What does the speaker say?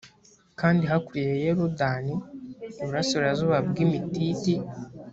kandi hakurya ya yorodani iburasirazuba bw imititi